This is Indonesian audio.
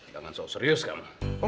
jangan soal serius kamu